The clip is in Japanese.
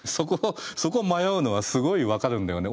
そこを迷うのはすごい分かるんだよね。